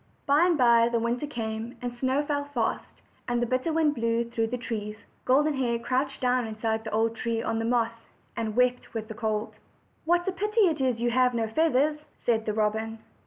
By and by the winter came; the snow fell fast and the bitter wind blew through the trees. Golden Hair crouched down inside the old tree on the moss, and wept with the cold. "What a pity it is you have no feathers!" said the robin.